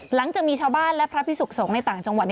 หลังจากมีชาวบ้านและพระพิสุขสงฆ์ในต่างจังหวัด